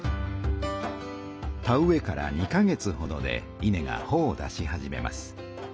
田植えから２か月ほどで稲がほを出し始めます。